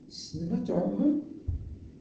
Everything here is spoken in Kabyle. Tessnem ad tɛummem?